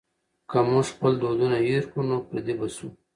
که موږ خپل دودونه هېر کړو نو پردي به شو.